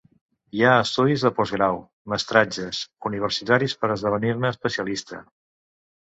Hi ha estudis de postgrau, mestratges, universitaris per esdevenir-ne especialista.